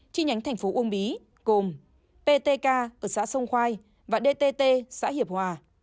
chi nhánh thành phố uông bí gồm ptk ở xã sông khoai và dtt xã hiệp hòa